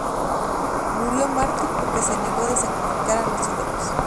Murió mártir porque se negó de sacrificar a los ídolos.